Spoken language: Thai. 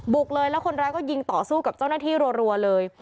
เลยแล้วคนร้ายก็ยิงต่อสู้กับเจ้าหน้าที่รัวเลย